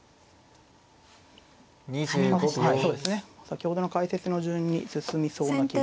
先ほどの解説の順に進みそうな気がしますね。